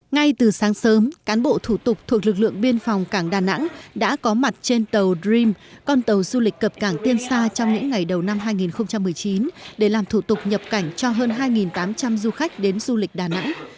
ngay từ sáng sớm cán bộ thủ tục thuộc lực lượng biên phòng cảng đà nẵng đã có mặt trên tàu dream con tàu du lịch cập cảng tiên xa trong những ngày đầu năm hai nghìn một mươi chín để làm thủ tục nhập cảnh cho hơn hai tám trăm linh du khách đến du lịch đà nẵng